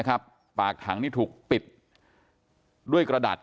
กลุ่มตัวเชียงใหม่